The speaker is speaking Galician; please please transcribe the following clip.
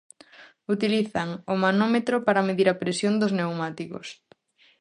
Utilizan o manómetro para medir a presión dos pneumáticos.